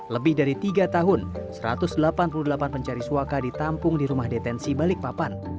lebih dari tiga tahun satu ratus delapan puluh delapan pencari suaka ditampung di rumah detensi balikpapan